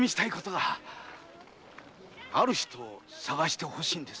ある人を捜して欲しいんです。